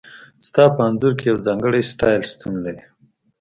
ستا په انځور کې یو ځانګړی سټایل شتون لري